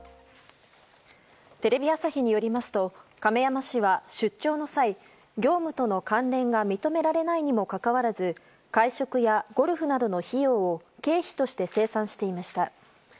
テレビ朝日によりますと亀山氏は出張の際、業務との関連が認められないにもかかわらず会食やゴルフなどの費用を経費として精算していました。